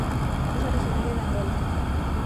Es originario de Angola.